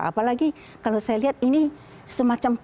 apalagi kalau saya lihat ini semacam peer group